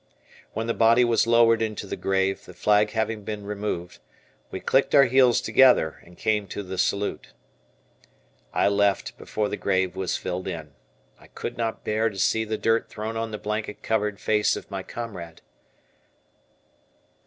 When the body was lowered into the grave, the flag having been removed, we clicked our heels together, and came to the salute. I left before the grave was filled in. I could not bear to see the dirt thrown on the blanket covered face of my comrade.